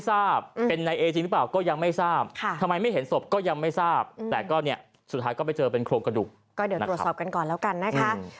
แต่ในการตายยังไม่ทราบเป็นในเอจริงหรือเปล่าก็ยังไม่ทราบ